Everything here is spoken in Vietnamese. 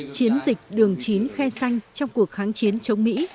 chiến dịch đường chín khe xanh trong cuộc kháng chiến chống mỹ